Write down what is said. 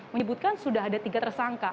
menyebutkan sudah ada tiga tersangka